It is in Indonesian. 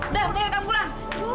udah mendingan kamu pulang